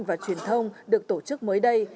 và truyền thông được tổ chức mới đây